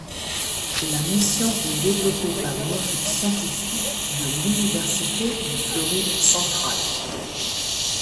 La mission est développée par une équipe scientifique de l'Université de Floride centrale.